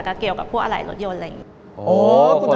เกี่ยวกับพวกอะไรรถยนต์อะไรอย่างนี้